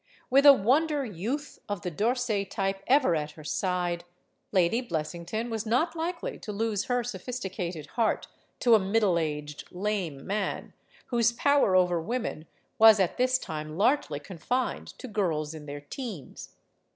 With a wonder youth of the D'Orsay type ever at her side, Lady Blessington was not likely to lose her sophisticated heart to a middle aged, lame man, whose power over women was at this time largely confined to girls in their teens.